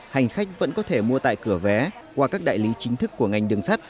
hành khách vẫn có thể mua tại cửa vé qua các đại lý chính thức của ngành đường sắt